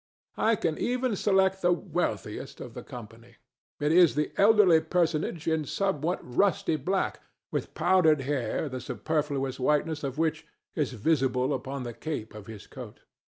I can even select the wealthiest of the company. It is the elderly personage in somewhat rusty black, with powdered hair the superfluous whiteness of which is visible upon the cape of his coat.